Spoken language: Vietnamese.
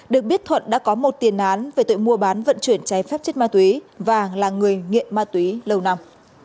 được biết thuận đã có một tiền án về tội mua bán vận chuyển cháy phép chất ma túy và là người nghiện ma túy lâu năm